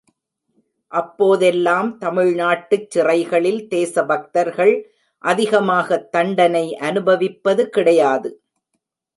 அப்போதெல்லாம் தமிழ்நாட்டுச் சிறைகளில் தேசபக்தர்கள் அதிகமாக தண்டனை அனுபவிப்பது கிடையாது.